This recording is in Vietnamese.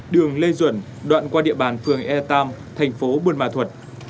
đường lê duẩn đoạn qua địa bàn phường e tam thành phố buôn ma thuật